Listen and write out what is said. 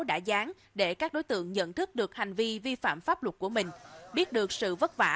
đã dán để các đối tượng nhận thức được hành vi vi phạm pháp luật của mình biết được sự vất vả